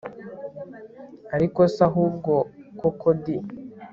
ariko se ahubwo koko di!